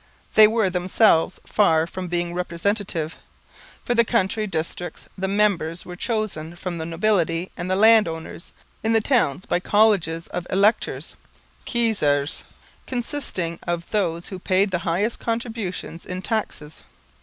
They were themselves far from being representative. For the country districts the members were chosen from the nobility and the land owners; in the towns by colleges of electors (kiezers), consisting of those who paid the highest contributions in taxes.